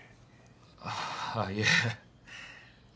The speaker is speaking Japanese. ああいえ